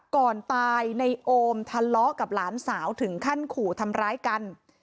ก่อนตายในโอมทะเลาะกับหลานสาวถึงขั้นขู่ทำร้ายกัน